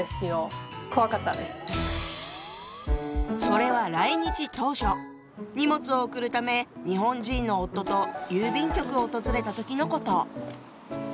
それは来日当初荷物を送るため日本人の夫と郵便局を訪れた時のこと。